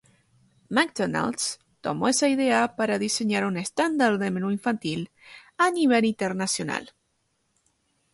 McDonald's tomó esa idea para diseñar un estándar de menú infantil a nivel internacional.